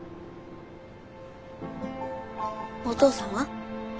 お父さんは？